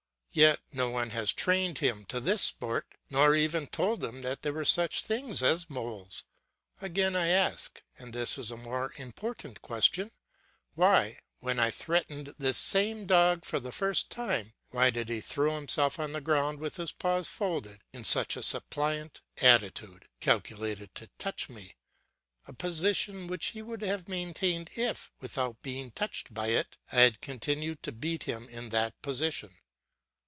Yet no one has trained him to this sport, nor even told him there were such things as moles. Again, I ask, and this is a more important question, why, when I threatened this same dog for the first time, why did he throw himself on the ground with his paws folded, in such a suppliant attitude .....calculated to touch me, a position which he would have maintained if, without being touched by it, I had continued to beat him in that position?